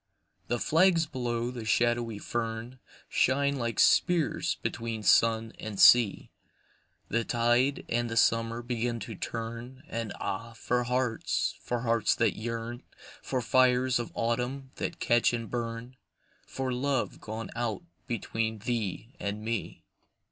THE flags below the shadowy fern Shine like spears between sun and sea, The tide and the summer begin to turn, And ah, for hearts, for hearts that yearn, For fires of autumn that catch and burn, For love gone out between thee and me.